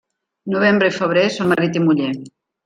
Novembre i febrer són marit i muller.